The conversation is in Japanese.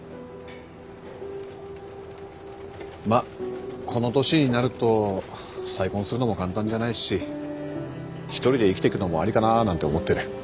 まあこの年になると再婚するのも簡単じゃないし一人で生きてくのもありかななんて思ってる。